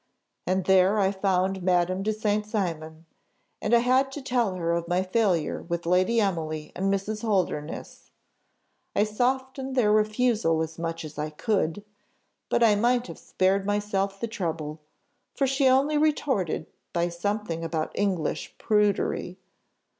And there I found Madame de St. Cymon, and I had to tell her of my failure with Lady Emily and Mrs. Holdernesse. I softened their refusal as much as I could, but I might have spared myself the trouble, for she only retorted by something about English prudery.